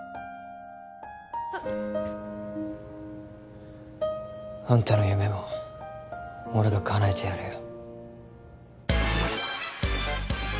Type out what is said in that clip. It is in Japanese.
わっあんたの夢も俺がかなえてやるよ